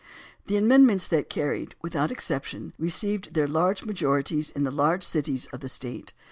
The amendments that carried, without exception, received their large majorities in the large cities of the State.